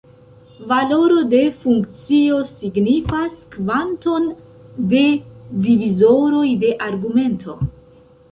Valoro de funkcio signifas kvanton de divizoroj de argumento.